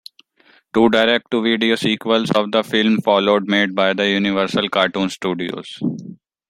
Two direct-to-video sequels of the film followed, made by the Universal Cartoon Studios.